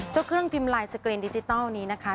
เครื่องพิมพ์ไลน์สกรีนดิจิทัลนี้นะคะ